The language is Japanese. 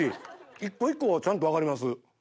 一個一個がちゃんと分かります。